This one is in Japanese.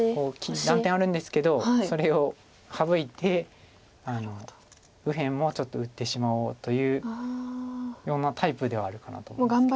断点あるんですけどそれを省いて右辺もちょっと打ってしまおうというようなタイプではあるかなと思います。